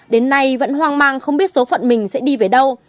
đến nay vẫn hoang mang không biết số phận mình sẽ đi về đâu